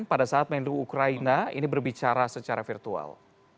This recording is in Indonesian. pada saat menlu ukraina ini berbicara secara virtual